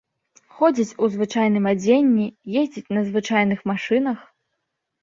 Ходзяць у звычайным адзенні, ездзяць на звычайных машынах.